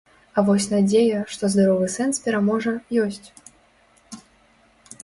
А вось надзея, што здаровы сэнс пераможа, ёсць.